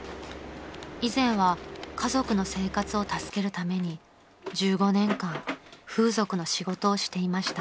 ［以前は家族の生活を助けるために１５年間風俗の仕事をしていました］